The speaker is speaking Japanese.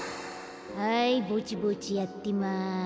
はいぼちぼちやってます。